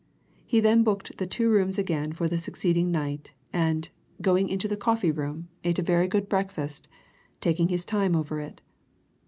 He then booked the two rooms again for the succeeding night, and, going into the coffee room, ate a very good breakfast, taking his time over it.